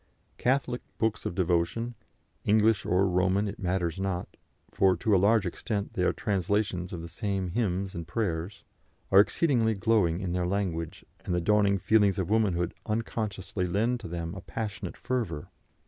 Catholic books of devotion English or Roman, it matters not, for to a large extent they are translations of the same hymns and prayers are exceedingly glowing in their language, and the dawning feelings of womanhood unconsciously lend to them a passionate fervour.